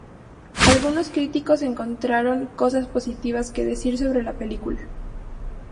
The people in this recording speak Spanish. Algunos críticos encontraron cosas positivas que decir sobre la película.